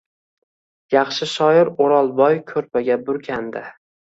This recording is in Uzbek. Yaxshi shoir O’rolboy ko‘rpaga burkandi.